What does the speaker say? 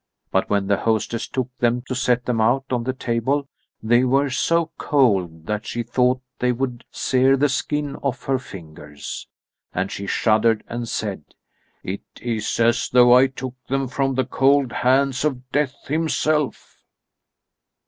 But when the hostess took them to set them out on the table, they were so cold that she thought they would sear the skin off her fingers. And she shuddered and said: "It is as though I took them from the cold hands of Death himself."